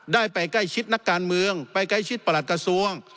ได้ไปใกล้ชิดนักการเมืองไปใกล้ชิดประหลัดกระทรวง